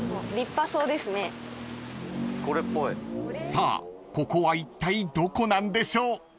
［さあここはいったいどこなんでしょう？］